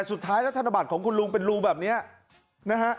สุดท้ายแล้วธนบัตรของคุณลุงเป็นรูแบบนี้นะฮะ